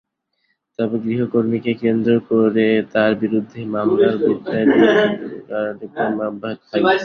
তবে গৃহকর্মীকে কেন্দ্র করে তাঁর বিরুদ্ধে মামলার বিচারিক কার্যক্রম অব্যাহত থাকবে।